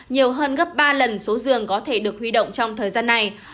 nhiều hơn gấp ba lần số giường có thể được huy động trong thời gian này